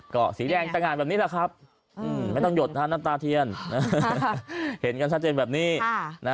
ก็สีแดงตะงานแบบนี้แหละครับไม่ต้องหยดนะฮะน้ำตาเทียนเห็นกันชัดเจนแบบนี้